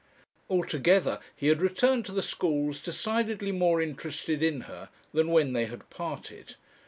Altogether he had returned to the schools decidedly more interested in her than when they had parted.